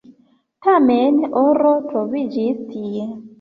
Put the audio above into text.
Tamen oro troviĝis tie.